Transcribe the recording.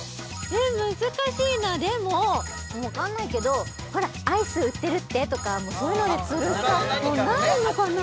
難しいなでもわかんないけど「ほらアイス売ってるって」とかそういうので釣るしかもうないのかな？